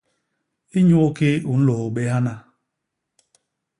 Inyukii u nlôô bé hana?